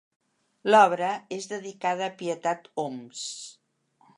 L'obra és dedicada a Pietat Homs.